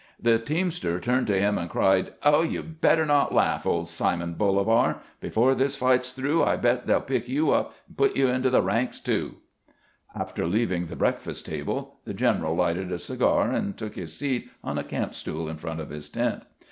The teamster turned to him and cried :" Oh, you better not laugh, old Simon BoUvar. Before this fight 's through I bet they '11 pick you up and put you into the ranks, too !" After leaving the breakfast table, the general lighted a cigar and took his seat on a camp stool in front of his tent.